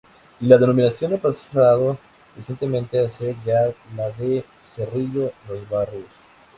La denominación ha pasado recientemente a ser ya la de Cerrillo-Los Barrios.